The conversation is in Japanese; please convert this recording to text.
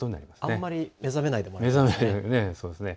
あんまり目覚めないでもらいたいですね。